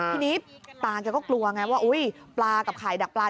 ทีนี้ปลากันก็กลัวไงว่าปลากับข่ายดักปลา